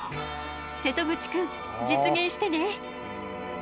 瀬戸口くん実現してね！